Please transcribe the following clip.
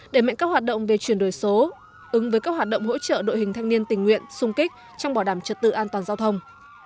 để mệnh các hoạt động về chuyển đổi số ứng với các hoạt động hỗ trợ đội hình thanh niên tình nguyện sung kích trong bảo đảm trật tự an toàn giao thông